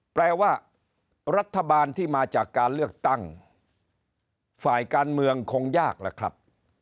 แปลว่ารัฐบาลที่มาจากการเลือกตั้งฝ่ายการเมืองคงยากล่ะครับ